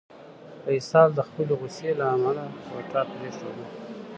فیصل د خپلې غوسې له امله کوټه پرېښوده.